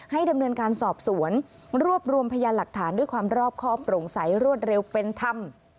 ดำเนินการสอบสวนรวบรวมพยานหลักฐานด้วยความรอบข้อโปร่งใสรวดเร็วเป็นธรรม